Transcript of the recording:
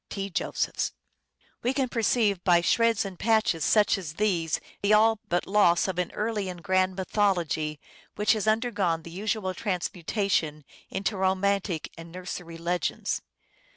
(T. Josephs.) We can perceive by shreds and patches such as these the all but loss of an early and grand mythology which has undergone the usual transmutation into romantic and nursery legends.